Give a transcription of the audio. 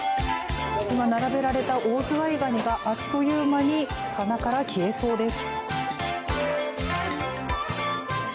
今、並べられたオオズワイガニはあっという間に棚から消えそうです。